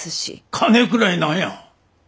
金くらい何や！